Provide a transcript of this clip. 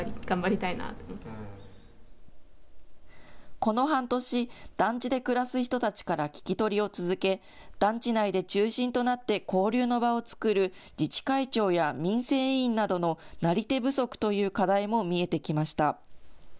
この半年、団地で暮らす人たちから聞き取りを続け、団地内で中心となって交流の場を作る自治会長や民生委員などのなり手不足という課題も見えてきました。